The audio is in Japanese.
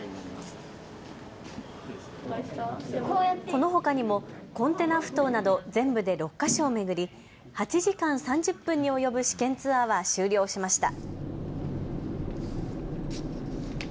このほかにもコンテナふ頭など全部で６か所を巡り、８時間３０分に及ぶ試験ツアーは終了しました。